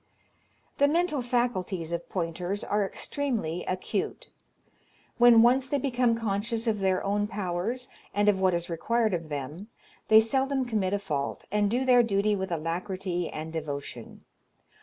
The mental faculties of pointers are extremely acute. When once they become conscious of their own powers, and of what is required of them, they seldom commit a fault, and do their duty with alacrity and devotion.